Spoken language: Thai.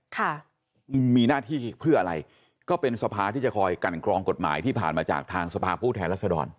ค่ะมีหน้าที่เพื่ออะไรก็เป็นสภาที่จะคอยกันกรองกฎหมายที่ผ่านมาจากทางสภาพผู้แทนรัศดร